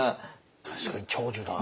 確かに長寿だ。